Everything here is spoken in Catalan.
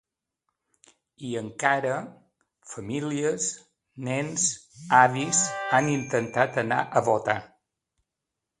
I encara: Famílies, nens, avis han intentat anar a votar.